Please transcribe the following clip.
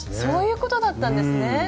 そういうことだったんですね。